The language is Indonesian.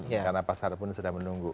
karena pasar pun sudah menunggu